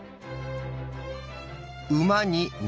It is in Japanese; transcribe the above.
馬に猫。